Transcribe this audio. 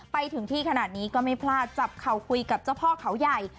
ไปถึงที่ขนาดนี้ก็ไม่พลาดจับเข่าคุยกับเจ้าพ่อเขาใหญ่